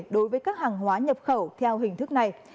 đối với các hàng hóa nhập khẩu theo hình thức này